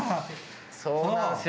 そうなんですよ。